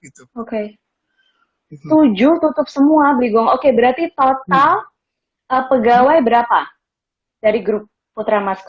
tujuh tutup semua beli gong oke berarti total pegawai berapa dari grup putra mas